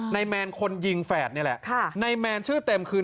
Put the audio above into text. แมนคนยิงแฝดนี่แหละในแมนชื่อเต็มคือ